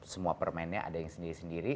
semua permennya ada yang sendiri sendiri